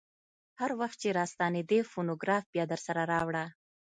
هر وخت چې راستنېدې فونوګراف بیا درسره راوړه.